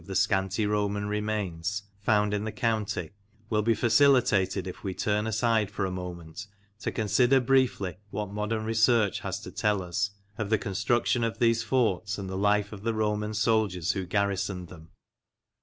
D 34 MEMORIALS OF OLD LANCASHIRE found in the county will be facilitated if we turn aside for a moment to consider briefly what modern research has to tell us of the construction of these forts and the life of the Roman soldiers who garrisoned them.